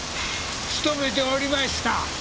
勤めておりました。